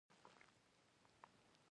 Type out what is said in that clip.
طیاره د رائټ وروڼو لخوا اختراع شوه.